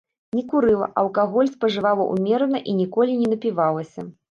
Не курыла, алкаголь спажывала ўмерана і ніколі не напівалася.